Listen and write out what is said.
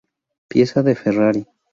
Piazza De Ferrari.